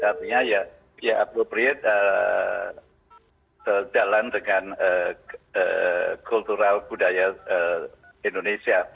artinya ya appropriate jalan dengan kultura budaya indonesia